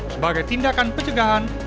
sebagai tindakan pencegahan